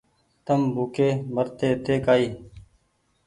تم ڀوڪي مرتي تي ڪآئي